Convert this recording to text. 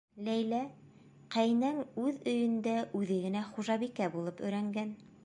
Ләйлә, ҡәйнәң үҙ өйөндә үҙе генә хужабикә булып өйрәнгән.